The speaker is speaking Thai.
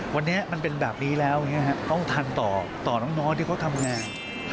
วันนี้มันเป็นแบบนี้แล้วต้องทันต่อน้องที่เขาทำงาน